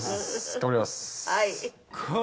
頑張ります。